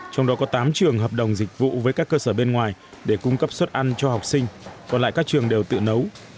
trong đó có tám trường hợp đồng dịch vụ với các cơ sở bên ngoài để cung cấp suất ăn cho học sinh còn lại các trường đều tự nấu